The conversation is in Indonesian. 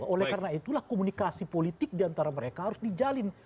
oleh karena itulah komunikasi politik diantara mereka harus dijalin